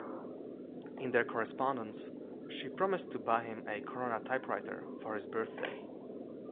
In their correspondence she promised to buy him a Corona typewriter for his birthday.